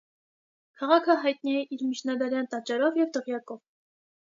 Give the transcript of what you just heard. Քաղաքը հայտնի է իր միջնադարյան տաճարով և դղյակով։